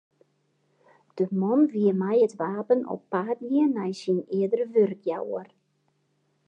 De man wie mei it wapen op paad gien nei syn eardere wurkjouwer.